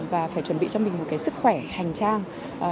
và phải chuẩn bị cho mình một cái sức khỏe hành trang